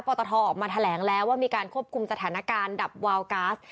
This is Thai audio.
ตทออกมาแถลงแล้วว่ามีการควบคุมสถานการณ์ดับวาวก๊าซ